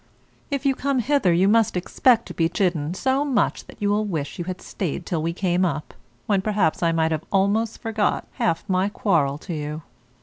If you come hither you must expect to be chidden so much that you will wish that you had stayed till we came up, when perhaps I might have almost forgot half my quarrel to you.